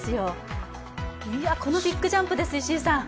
このビッグジャンプです、石井さん。